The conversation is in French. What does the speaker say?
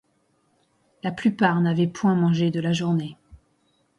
La plupart n’avaient point mangé de la journée.